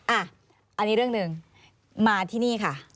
อันนี้เรื่องหนึ่งมาที่นี่ค่ะ